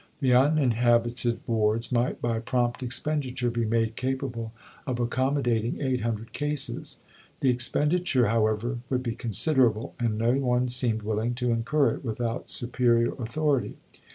The uninhabited wards might by prompt expenditure be made capable of accommodating 800 cases. The expenditure, however, would be considerable, and no one seemed willing to incur it without superior authority.